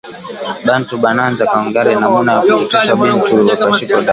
Bantu bananza ku angariya namuna ya kuotesha bintu pashipo dawa